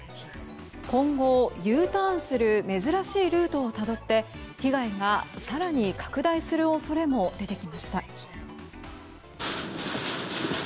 今後、Ｕターンする珍しいルートをたどって被害が更に拡大する恐れも出てきました。